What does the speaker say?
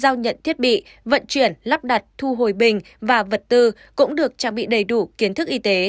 giao nhận thiết bị vận chuyển lắp đặt thu hồi bình và vật tư cũng được trang bị đầy đủ kiến thức y tế